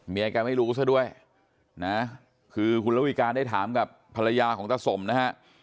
แกไม่รู้ซะด้วยนะคือคุณระวิการได้ถามกับภรรยาของตาสมนะฮะ